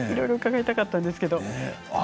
いろいろ伺いたかったんです